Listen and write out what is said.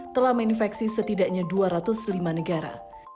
telah menginfeksi setidaknya dua ratus lima negara